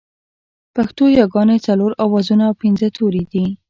پښتو ياگانې څلور آوازونه او پينځه توري دي